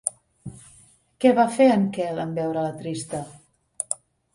Què va fer en Quel en veure-la trista?